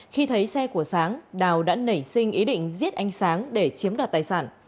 khi thấy xe của sáng đào đã nảy sinh ý định giết ánh sáng để chiếm đoạt tài sản